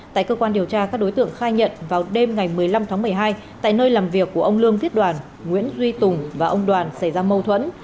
tại cơ quan điều tra các đối tượng khai nhận vào đêm ngày một mươi năm tháng một mươi hai tại nơi làm việc của ông lương viết đoàn nguyễn duy tùng và ông đoàn xảy ra mâu thuẫn